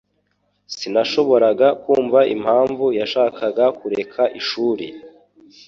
Sinashoboraga kumva impamvu yashakaga kureka ishuri.